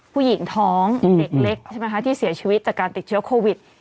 ผู้หญิงท้องเด็กเล็กใช่ไหมคะที่เสียชีวิตจากการติดเชื้อโควิด